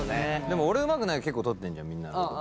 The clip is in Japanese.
でも俺うまくないけど結構撮ってんじゃんみんなのこと。